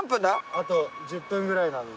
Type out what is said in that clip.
あと１０分くらいなんで。